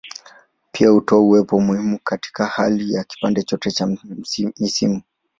Pia hutoa uwepo muhimu katika hali ya kipande chote cha misimu.